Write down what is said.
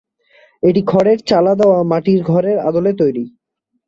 এটি খড়ের চালা দাওয়া মাটির ঘরের আদলে তৈরী।